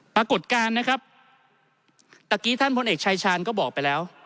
ปรากฏการณ์นะครับตะกี้ท่านพลเอกชายชาญก็บอกไปแล้ว